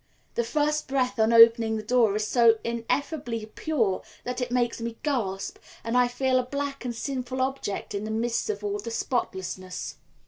The first breath on opening the door is so ineffably pure that it makes me gasp, and I feel a black and sinful object in the midst of all the spotlessness.